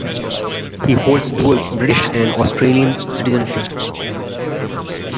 He holds dual British and Australian citizenship.